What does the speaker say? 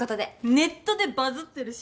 ネットでバズってるし。